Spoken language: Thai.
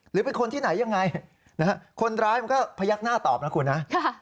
หรือเป็นคนที่ไหนยังไงนะฮะคนร้ายมันก็พยักหน้าตอบนะคุณนะ